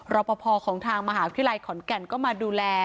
รอปภของทางมหาวิทยาลัยขอนแก่นก็มาดูแล